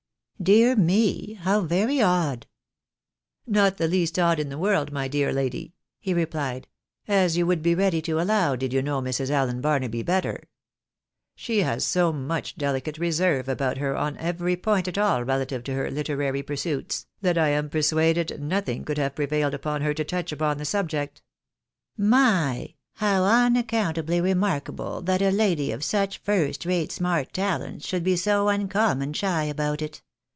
" Dear me, how very odd !"" Not the least odd in the world, my dear lady," he replied, " as you would be ready to allow, did you know Mrs. Allen Barnaby better. She has so much delicate reserve about her on every point at all relative to her literary pursuits, that I am persuaded nothing could have prevailed upon her to touch upon the subject." " My ! How unaccountably remarkable that a lady of such first rate smart talents should be so uncommon shy about it